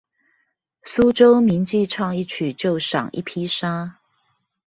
蘇州名妓唱一曲就賞一匹紗